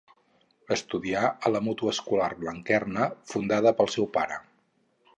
Estudià a la Mútua Escolar Blanquerna, fundada pel seu pare.